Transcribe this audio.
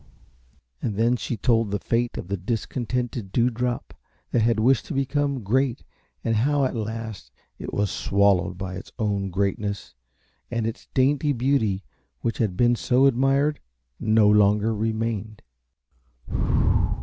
And then she told the fate of the discontented Dewdrop that had wished to become great and how at last it was swallowed by its own greatness, and its dainty beauty which had been so admired no longer remained.